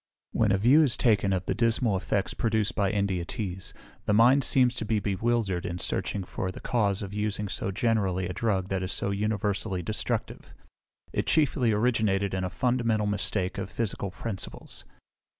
"When a view is taken of the dismal effects produced by India teas, the mind seems to be bewildered in searching for the cause of using so generally a drug that is so universally destructive. It chiefly originated in a fundamental mistake of physical principles.